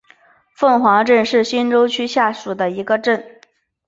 凤凰镇是新洲区下属的一个镇。